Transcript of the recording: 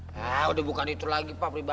nah udah bukan itu lagi pak pribadi ya